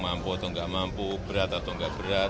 mampu atau nggak mampu berat atau enggak berat